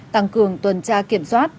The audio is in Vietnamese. tăng cường tuần tra kiểm soát